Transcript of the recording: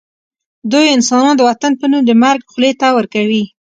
دوی انسانان د وطن په نوم د مرګ خولې ته ورکوي